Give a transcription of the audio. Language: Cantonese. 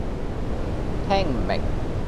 聽唔明